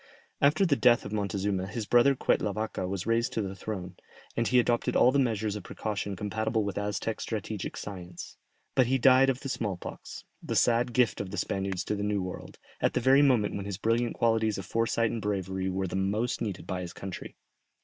After the death of Montezuma his brother Quetlavaca was raised to the throne, and he adopted all the measures of precaution compatible with Aztec strategic science. But he died of the smallpox, the sad gift of the Spaniards to the New World, at the very moment when his brilliant qualities of foresight and bravery were the most needed by his country.